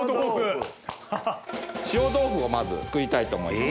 塩豆腐をまず作りたいと思います。